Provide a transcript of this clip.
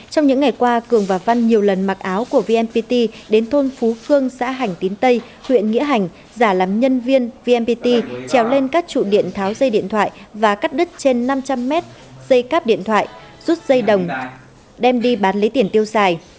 trong những ngày qua cường và văn nhiều lần mặc áo của vnpt đến thôn phú phương xã hành tín tây huyện nghĩa hành giả làm nhân viên vnpt trèo lên các trụ điện tháo dây điện thoại và cắt đứt trên năm trăm linh mét dây cáp điện thoại rút dây đồng đem đi bán lấy tiền tiêu xài